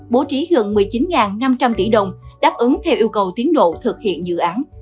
bố trí gần một mươi chín năm trăm linh tỷ đồng đáp ứng theo yêu cầu tiến độ thực hiện dự án